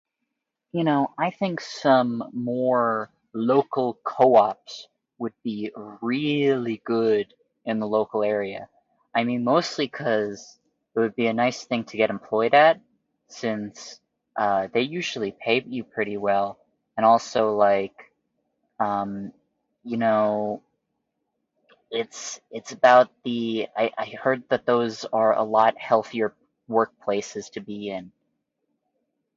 You know, I think some more local co-ops would be really good in the local area. I mean, mostly cuz it would be a nice thing to get employed at, since, uh, they usually pay you pretty well. And also, like, um, you know, it's it's about the I I heard that those are a lot healthier workplaces to be in.